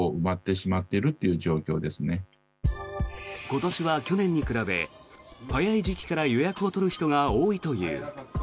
今年は去年に比べ早い時期から予約を取る人が多いという。